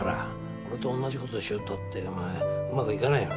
俺と同じ事しようったってお前うまくいかねえよ。